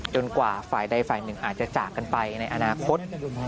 กว่าฝ่ายใดฝ่ายหนึ่งอาจจะจากกันไปในอนาคต